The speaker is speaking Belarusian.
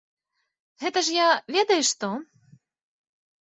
Гэта ж я, ведаеш што?